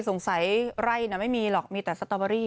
ไร่ไม่มีหรอกมีแต่สตอเบอรี่